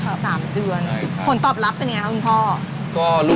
หลังจากนี้หลวงคนตอบรับเป็นยังไงครับคุณพ่อ